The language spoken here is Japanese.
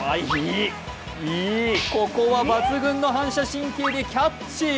ここは抜群の反射神経でキャッチ。